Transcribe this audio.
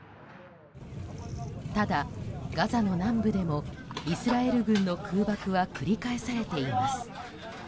ただ、ガザの南部でもイスラエル軍の空爆は繰り返されています。